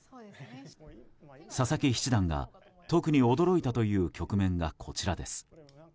佐々木七段が特に驚いたという局面がこちらです。